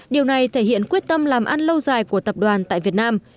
điều này thể hiện quyết tâm làm ăn lâu dài của tập đoàn tại việt nam